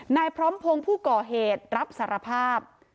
นายพร้อมพงศ์ผู้ก่อเหตุรับสารภาพ